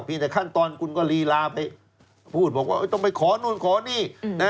แต่ขั้นตอนคุณก็ลีลาไปพูดบอกว่าต้องไปขอนู่นขอนี่